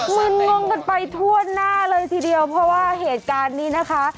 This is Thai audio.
มึนงงกันไปทั่วหน้าเลยทีเดียวเพราะว่าเหตุการณ์นี้นะคะ